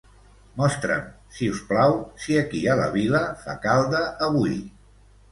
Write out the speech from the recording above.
Mostra'm, si us plau, si aquí a la vila fa calda avui.